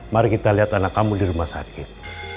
mari kita lihat anak kamu di rumah sakit